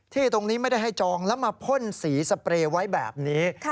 ที่ตรงนี้ไม่ได้ให้จองแล้วมาพ่นสีสเปรย์ไว้แบบนี้